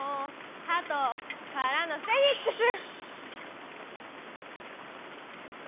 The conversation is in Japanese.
はとからのフェニックス！